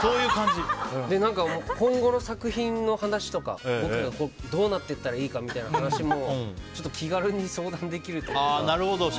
今後の作品の話とかどうなっていったらいいかみたいな話も気軽に相談できるというか。